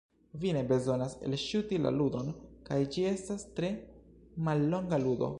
Vi ne bezonas elŝuti la ludon kaj ĝi estas tre mallonga ludo.